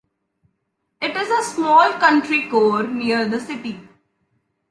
It is a small country core near the city.